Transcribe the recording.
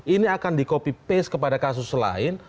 ini akan di copy paste kepada kasus lain